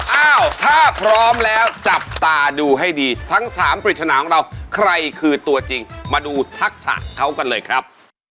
อ้าวถ้าพร้อมแล้วจับตาดูให้ดีทั้งสามปริศนาของเราใครคือตัวจริงมาดูทักษะเขากันเลยครับ